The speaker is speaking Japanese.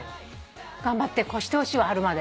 頑張って越してほしいわ春まで。